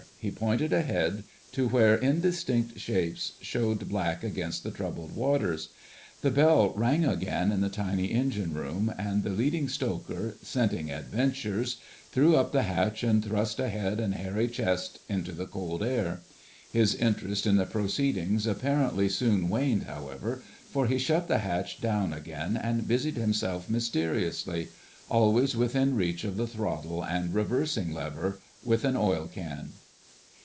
He pointed ahead to where indistinct shapes showed black against the troubled waters. The bell rang again in the tiny engine room, and the Leading Stoker, scenting adventures, threw up the hatch and thrust a head and hairy chest into the cold air. His interest in the proceedings apparently soon waned, however, for he shut the hatch down again and busied himself mysteriously—always within reach of the throttle and reversing lever—with an oil can.